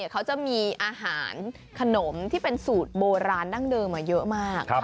เขาจะมีอาหารขนมที่เป็นสูตรโบราณดั้งเดิมมาเยอะมาก